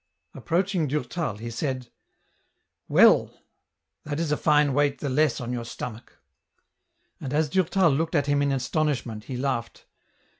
Approaching Durtal he said, *' Well ? that IS a fine weight the less on your stomach !" And as Durtal looked at him in astonishment he laughed.